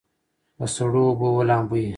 په سړو اوبو ولامبئ.